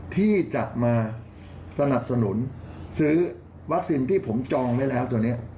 ที่จะมาสนับสนุนซื้อวัคซีนที่ผมจองไว้แล้วตัวนี้